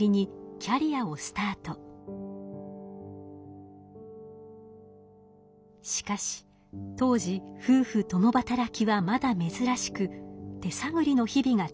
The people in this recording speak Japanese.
しかし当時夫婦共働きはまだ珍しく手探りの日々が続きました。